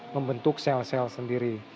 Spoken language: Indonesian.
membentuk sel sel sendiri